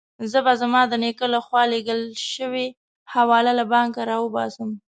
زه به زما د نیکه له خوا رالېږل شوې حواله له بانکه راوباسم.